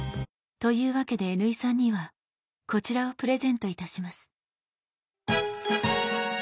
というわけでＮ井さんにはこちらをプレゼントいたします。